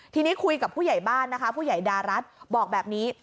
ทีนี้คุยกับผู้ใหญ่บ้านนะคะผู้ใหญ่ดารัฐบอกแบบนี้